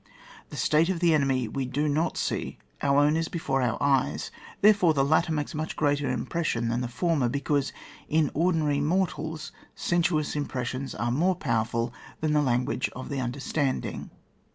The state of the enemy we do not see, our own is before our eyes; therefore, the latter makes a much greater impression than the former, because in ordinary mortals sensuous impressions are more powerful than the language of the understanding.